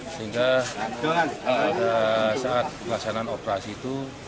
sehingga pada saat pelaksanaan operasi itu